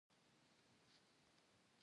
د مادې تر ټولو کوچنۍ ذره څه نومیږي.